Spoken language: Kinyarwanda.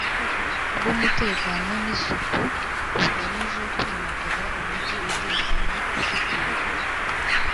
Bw umutekano n isuku bugamije kwimakaza umugi utekanye usukuye